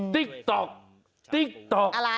ติ๊กต๊อกติ๊กต๊อก